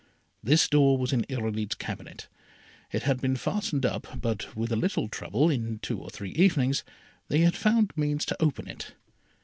This door was in Irolite's cabinet. It had been fastened up, but, with a little trouble, in two or three evenings, they had found means to open it.